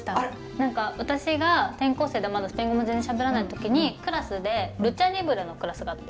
何か私が転校生でまだスペイン語も全然しゃべらない時にクラスでルチャリブレのクラスがあって。